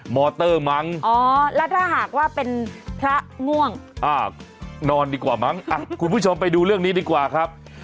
มอเตอร์มั้งอ๋อแล้วถ้าหากว่าเป็นพระง่วงนอนดีกว่ามั้งอ่ะคุณผู้ชมไปดูเรื่องนี้ดีกว่าครับ